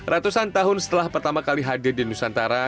ratusan tahun setelah pertama kali hadir di nusantara